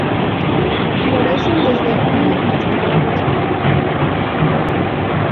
Florecen desde junio hasta agosto.